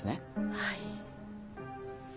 はい。